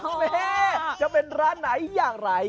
แม่จะเป็นร้านไหนอย่างไร